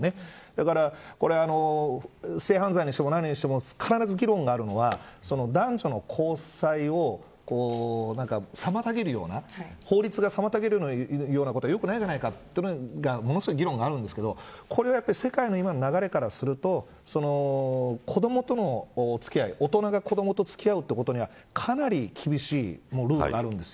だから、性犯罪にしても何にしても必ず議論があるのは男女の交際を妨げるような法律が妨げるようなことは良くないじゃないかというのがものすごい議論があるんですけどこれは世界の今の流れからすると子どもとのお付き合い子どもと大人が付き合うことにはかなり厳しいルールがあるんです。